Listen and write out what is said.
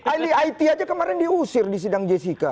illy it aja kemarin diusir di sidang jessica